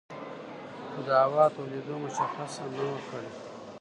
خو د هوا تودېدو مشخصه نه وه کړې